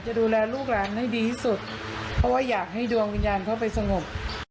จะดูแลลูกหลานให้ดีที่สุดเพราะว่าอยากให้ดวงวิญญาณเขาไปสงบ